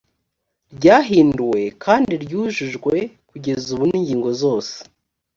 ryahinduwe kandi ryujujwe kugeza ubu n’ingingo zose